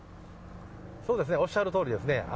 そうですね、おっしゃるとおりですね。